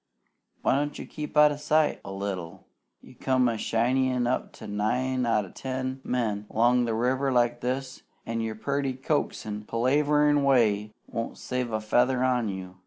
Why don't you keep out o' sight a little? You come a shinneyin' up to nine out o' ten men 'long the river like this, an' your purty, coaxin', palaverin' way won't save a feather on you.